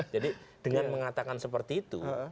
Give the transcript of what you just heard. jadi dengan mengatakan seperti itu